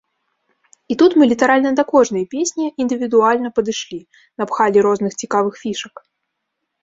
І тут мы літаральна да кожнай песні індывідуальна падышлі, напхалі розных цікавых фішак.